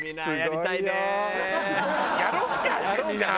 やろうかね